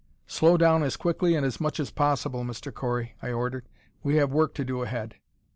"Slow down as quickly and as much as possible, Mr. Correy," I ordered. "We have work to do ahead."